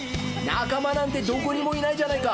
仲間なんてどこにもいないじゃないか。